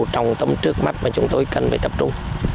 trong tâm trước mắt mà chúng tôi cần phải tập trung